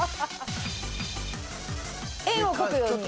円を描くように。